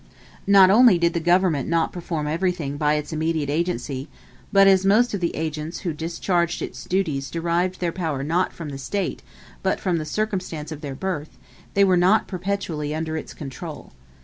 Not only did the government not perform everything by its immediate agency; but as most of the agents who discharged its duties derived their power not from the State, but from the circumstance of their birth, they were not perpetually under its control.